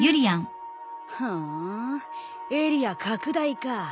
ふんエリア拡大か。